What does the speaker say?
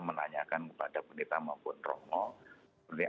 menanyakan kepada bapak bapak bapak